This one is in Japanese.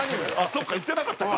そうか言ってなかったか。